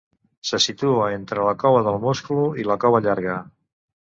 Se situa entre la Cova del Musclo i la Cova Llarga.